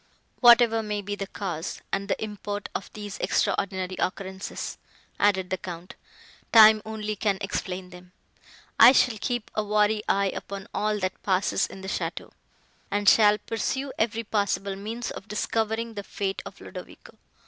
"Whatever may be the cause and the import of these extraordinary occurrences," added the Count, "time only can explain them. I shall keep a wary eye upon all that passes in the château, and shall pursue every possible means of discovering the fate of Ludovico.